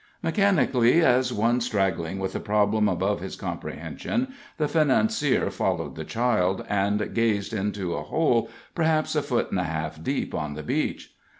Mechanically, as one straggling with a problem above his comprehension, the financier followed the child, and gazed into a hole, perhaps a foot and a half deep, on the beach.